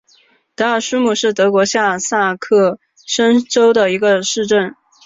德尔苏姆是德国下萨克森州的一个市镇。